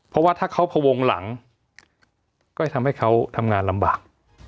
เพราะว่าถ้าเขาพวงหลังก็จะทำให้เขาทำงานลำบาก